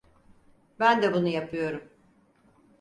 Ben de bunu yapıyorum.